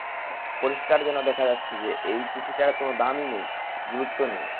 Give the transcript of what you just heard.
পরিস্কার যেন দেখা হচ্ছে যে, এই চিঠিটার কোনোই দাম নেই, গুরুত্ব নেই।